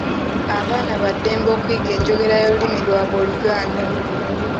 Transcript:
Abaana ba ddembe okuyiga enjogera y’olulimi lwabwe Oluganda.